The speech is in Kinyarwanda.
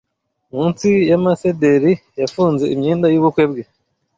Munsi y'amasederi yafunze imyenda y'ubukwe bwe